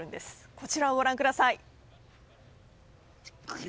こちらをご覧ください。